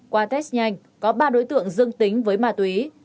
qua test nhanh có ba đối tượng dương tính với ma túy